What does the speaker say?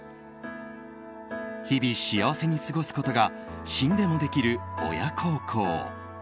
日々幸せに過ごすことが死んでもできる親孝行。